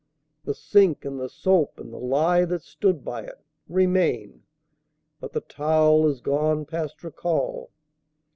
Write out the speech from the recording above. The sink and the soap and the lye that stood by it Remain; but the towel is gone past recall.